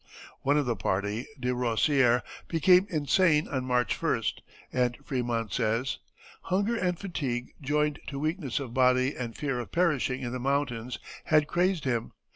One of the party, De Rossier, became insane on March 1st, and Frémont says: "Hunger and fatigue joined to weakness of body and fear of perishing in the mountains had crazed him.